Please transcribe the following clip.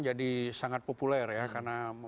jadi sangat populer ya karena